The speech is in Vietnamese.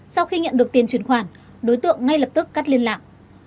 sau khi nhận được tiền truyền khoản đối tượng ngay lập tức cắt liên lạc